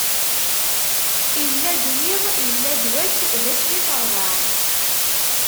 Illa-d yiḍ, illa-d wass: d ass wis ṛebɛa.